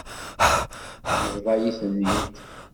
Yebḍa-yi-ten-id.